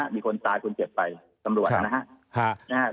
มีคนตายคนเจ็บไปตำรวจนะครับ